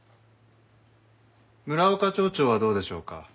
村岡町長はどうでしょうか？